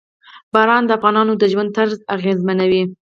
باران د افغانانو د ژوند طرز اغېزمنوي.